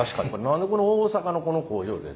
何で大阪のこの工場で？